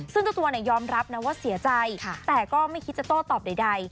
ซึ่งเจ้าตัวยอมรับนะว่าเสียใจแต่ก็ไม่คิดจะโต้ตอบใด